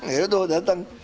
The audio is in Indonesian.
ya itu datang